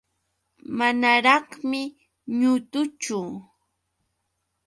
Manaraqmi ñutuchu.